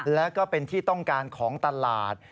แล้วก็เป็นที่ต้องการของตลาด